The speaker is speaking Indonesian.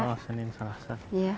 oh senin selasa